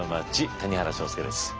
谷原章介です。